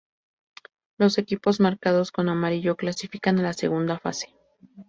Los equipos marcados con amarillo clasifican a la segunda fase.